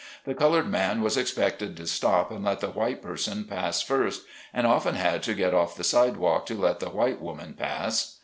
The colored man was expected to stop and let the white person pass first, and often had to get off the sidewalk to let the white woman pass.